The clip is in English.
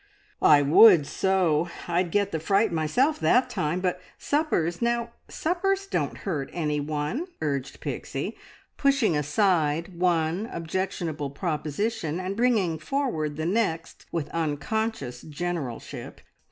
"I would so! I'd get the fright myself that time. But suppers, now, suppers don't hurt anyone!" urged Pixie, pushing aside one objectionable proposition and bringing forward the next with unconscious generalship.